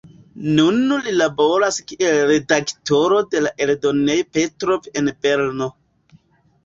Nun li laboras kiel redaktoro de la eldonejo Petrov en Brno.